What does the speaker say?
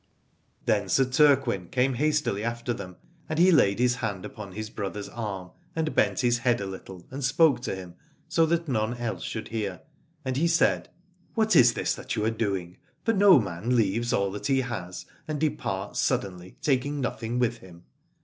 Then Sir Turquin came hastily after them, and he laid his hand upon his brother's arm and bent his head a little, and spoke to him so that none else should hear, and he said : What is this that you are doing ; for no man leaves all that he has, and departs suddenly, taking nothing with him.